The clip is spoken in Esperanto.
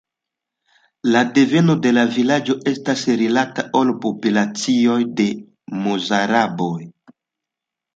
La deveno de la vilaĝo estas rilata al populacioj de mozaraboj.